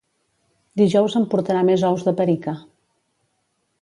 Dijous em portarà més ous de perica